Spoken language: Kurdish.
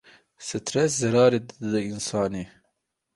Stres zerarê dide însanî.